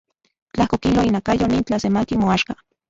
Tlajko kilo inakayo nin tlasemanki moaxka.